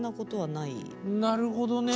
なるほどね。